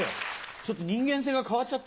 ちょっと！